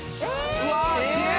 ・うわすげえ！